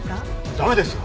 駄目ですよ。